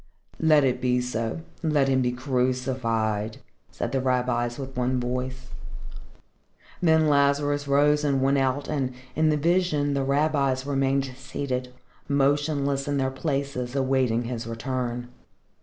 "Let it be so. Let him be crucified!" said the rabbis with one voice. Then Lazarus rose and went out, and, in the vision, the rabbis remained seated, motionless in their places awaiting his return.